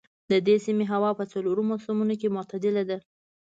د دې سیمې هوا په څلورو موسمونو کې معتدله ده.